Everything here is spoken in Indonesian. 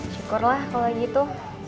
syukurlah kalo gitu